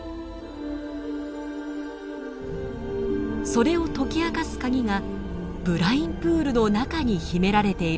それを解き明かす鍵がブラインプールの中に秘められているというのです。